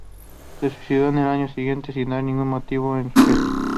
Se suicidó al año siguiente, sin dar ningún motivo de su gesto.